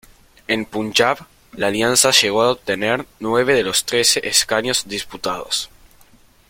En Punjab, la Alianza llegó a obtener nueve de los trece escaños disputados.